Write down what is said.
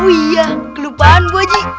oh iya kelupaan gue ajak